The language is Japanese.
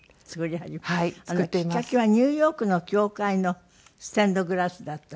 きっかけはニューヨークの教会のステンドグラスだったって。